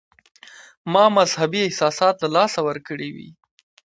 ما مذهبي احساسات له لاسه ورکړي وي.